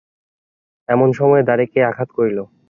এমন সময়ে দ্বারে কে আঘাত করিল।